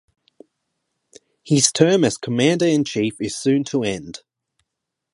His term as Commander In Chief is soon to end.